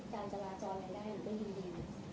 การจราจรรายได้หนูก็ยินดี